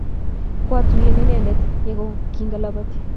Kwatuyen inendet ye kingalaboti.